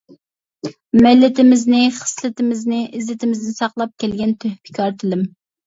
مىللىتىمىزنى، خىسلىتىمىزنى، ئىززىتىمىزنى، ساقلاپ كەلگەن تۆھپىكار تىلىم.